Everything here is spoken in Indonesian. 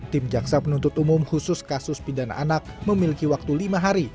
tim jaksa penuntut umum khusus kasus pidana anak memiliki waktu lima hari